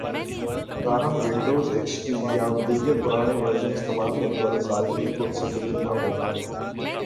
تاہم Windows, X P یا دیگر پرانے ورژن استعمال کرنے والے صارفین کو اسے خریدنا ہوگا